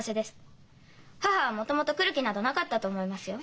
母はもともと来る気などなかったと思いますよ。